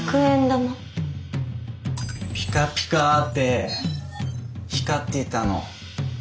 ピカピカって光っていたの。